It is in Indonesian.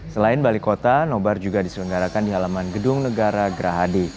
selain balik kota nobar juga diselenggarakan di halaman gedung negara gerahadi